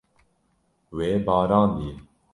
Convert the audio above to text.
Wê barandiye.